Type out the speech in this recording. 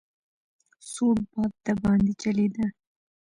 سوړ باد دباندې چلېده.